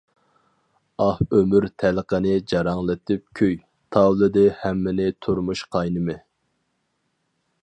ئاھ ئۆمۈر تەلقىنى جاراڭلىتىپ كۈي، تاۋلىدى ھەممىنى تۇرمۇش قاينىمى.